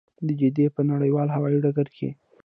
د جدې په نړیوال هوايي ډګر کې.